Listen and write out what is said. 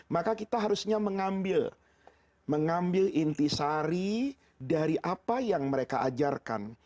maka kita harusnya mengambil inti sari dari apa yang mereka ajarkan